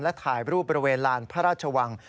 และถ่ายรูปบริเวณลานพระราชวัง